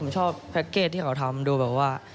ผมชอบแพ็กเกจที่เขาทำดูแบบว่า